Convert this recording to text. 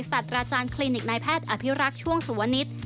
สัตว์อาจารย์คลินิกนายแพทย์อภิรักษ์ช่วงสุวนิต